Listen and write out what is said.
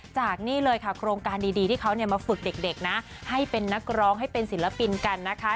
นี่เลยค่ะโครงการดีที่เขามาฝึกเด็กนะให้เป็นนักร้องให้เป็นศิลปินกันนะคะ